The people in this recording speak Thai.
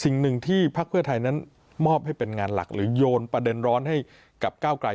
สิ่งหนึ่งที่พักเพื่อไทยนั้นมอบให้เป็นงานหลักหรือโยนประเด็นร้อนให้กับก้าวไกล